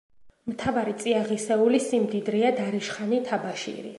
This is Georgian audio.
მთავარი წიაღისეული სიმდიდრეა დარიშხანი, თაბაშირი.